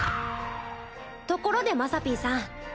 ところでまさぴーさん